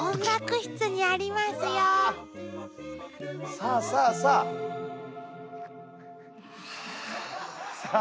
さあさあさあ。